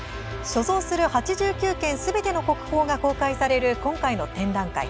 所蔵する８９件すべての国宝が公開される今回の展覧会。